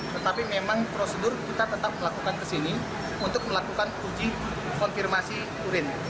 tetapi memang prosedur kita tetap melakukan kesini untuk melakukan uji konfirmasi urin